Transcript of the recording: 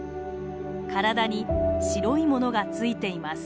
体に白いものがついています。